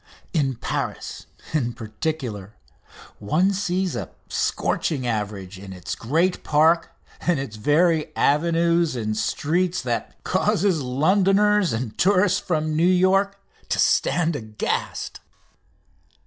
In Paris, in particular, one sees a "scorching" average in its great Park and its very avenues and streets that causes Londoners and tourists from New York to stand aghast.